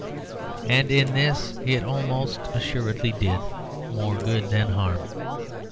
And in this it almost assuredly did more good than harm.